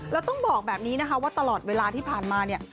แล้วต้องบอกแบบนี้นะคะว่าตลอดเวลาที่ผ่านมาเนี่ย